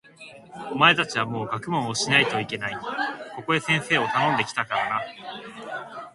お前たちはもう学問をしないといけない。ここへ先生をたのんで来たからな。